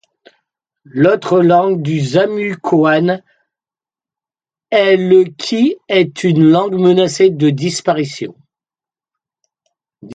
L’autre langue du zamucoan est le qui est une langue menacée de disparition.